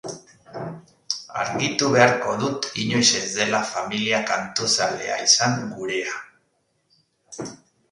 Argitu beharko dut inoiz ez dela familia kantuzalea izan gurea.